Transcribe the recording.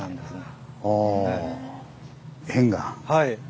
はい。